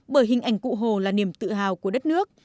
bởi hình ảnh cụ hồ là niềm tự hào của đất nước